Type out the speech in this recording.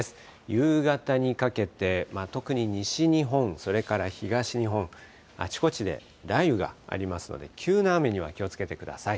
夕方にかけて、特に西日本、それから東日本、あちこちで雷雨がありますので、急な雨には気をつけてください。